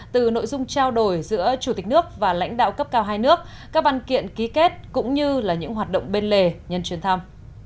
từ nội dung trao đổi giữa chủ tịch nước và lãnh đạo cấp cao hai nước các văn kiện ký kết cũng như là những hoạt động bên lề nhân chuyến thăm